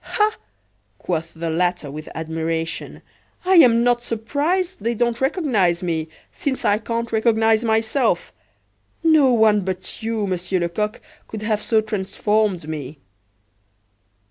"Ah!" quoth the latter with admiration, "I am not surprised they don't recognize me, since I can't recognize myself. No one but you, Monsieur Lecoq, could have so transformed me."